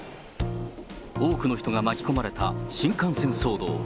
多くの人が巻き込まれた新幹線騒動。